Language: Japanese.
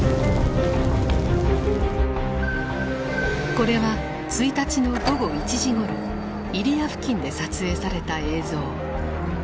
これは１日の午後１時ごろ入谷付近で撮影された映像。